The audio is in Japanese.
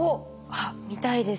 あっ見たいです。